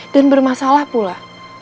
dan bermasalah pula